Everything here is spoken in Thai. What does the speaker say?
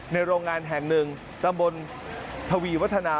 โรงงานแห่งหนึ่งตำบลทวีวัฒนา